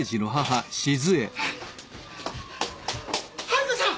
春子さん！